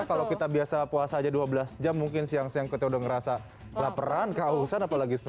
kalau kita biasa puasa aja dua belas jam mungkin siang siang kita udah ngerasa laparan kehausan apalagi sembilan belas jam di sana